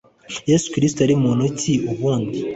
Yesu Kristo yari muntu ki ubundi